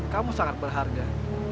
kamu sangat berharga